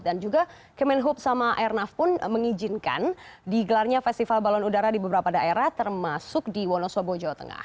dan juga kemenhub sama airnaf pun mengizinkan digelarnya festival balon udara di beberapa daerah termasuk di wonosobo jawa tengah